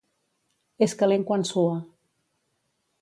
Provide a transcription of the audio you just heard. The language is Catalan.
És calent quan sua.